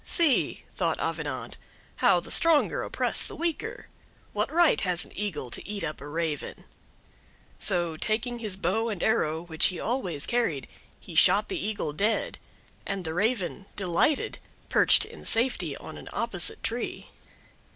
"See," thought Avenant, "how the stronger oppress the weaker! What right has an Eagle to eat up a Raven?" So taking his bow and arrow, which he always carried, he shot the Eagle dead, and the Raven, delighted, perched in safety on an opposite tree.